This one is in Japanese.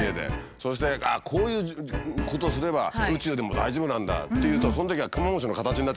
そしてこういうことをすれば宇宙でも大丈夫なんだっていうとそのときはクマムシの形になっちゃって。